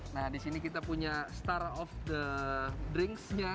nah disini kita punya star of the drinks nya